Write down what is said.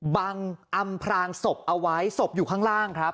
บังอำพรางศพเอาไว้ศพอยู่ข้างล่างครับ